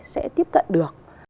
sẽ tiếp cận được